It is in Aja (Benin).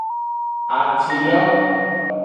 Atilo.